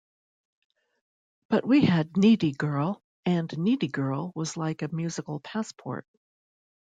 But we had "Needy Girl", and "Needy Girl" was like a musical passport.